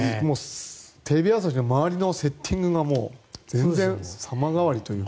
テレビ朝日の周りのセッティングが全然様変わりというか。